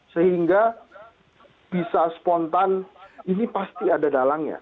sehingga bisa spontan ini pasti ada dalangnya